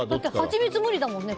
ハチミツ無理だもんね。